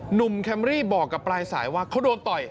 แคมรี่บอกกับปลายสายว่าเขาโดนต่อย